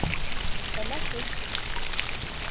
Тәнәфес!